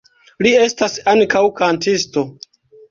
Li estas ankaŭ kantisto.